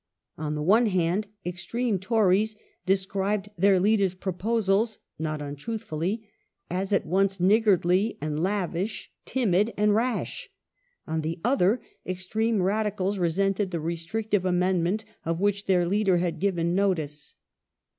On the one hand extreme Tories described their leader's proposals (not untruthfully) as at once niggardly and lavish, timid and rash. On the other, extreme Radicals resented the restrictive amendment, of which their leader had given notice.